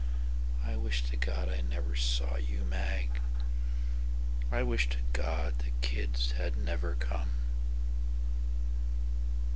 I wish to God I never saw you, Mag.I wish to God the kids had never come.